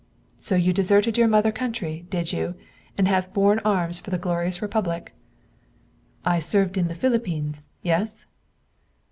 "So you deserted your mother country, did you, and have borne arms for the glorious republic?" "I served in the Philippines, yes?"